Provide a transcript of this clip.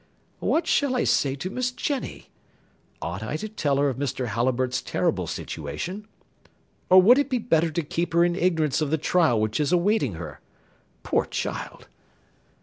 "What shall I say to Miss Jenny? Ought I to tell her of Mr. Halliburtt's terrible situation? Or would it be better to keep her in ignorance of the trial which is awaiting her? Poor child!"